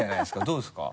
どうですか？